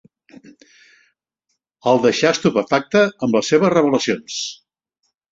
El deixà estupefacte amb les seves revlelacions.